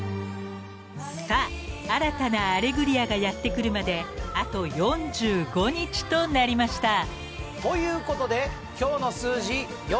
［さあ新たな『アレグリア』がやって来るまであと４５日となりました］ということで今日の数字「４５」は。